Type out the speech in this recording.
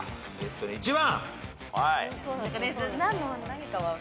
１番。